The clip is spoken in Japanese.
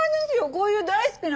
こういう大好きな。